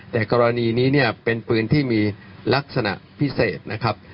แต่กรณีนี้เนี่ยเป็นปืนที่มีลักษณะพิเศษนะครับ